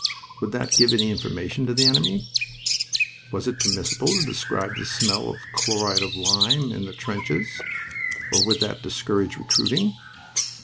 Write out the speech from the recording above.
Would that give any information to the enemy? Was it permissible to describe the smell of chloride of lime in the trenches, or would that discourage recruiting?